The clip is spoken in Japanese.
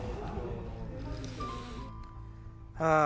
あ。